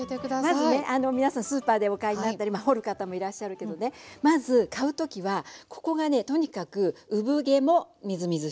まずね皆さんスーパーでお買いになったり掘る方もいらっしゃるけどねまず買う時はここがねとにかく産毛もみずみずしい。